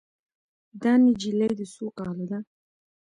دا نجلۍ د څو کالو ده